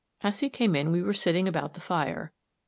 As he came in we were sitting about the fire.